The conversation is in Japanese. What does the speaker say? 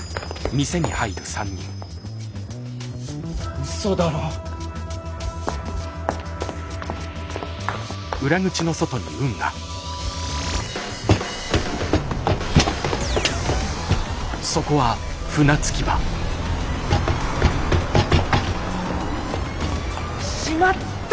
ウソだろ。しまった！